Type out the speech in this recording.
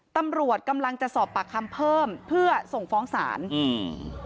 ตำรวจกำลังจะสอบปากคำเพิ่มเพื่อส่งฟ้องศาลอืม